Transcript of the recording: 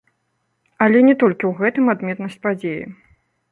Але не толькі ў гэтым адметнасць падзеі.